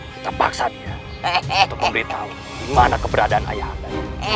kita paksanya untuk memberitahu di mana keberadaan ayah anda